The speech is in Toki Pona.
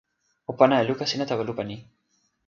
o pana e luka sina tawa lupa ni.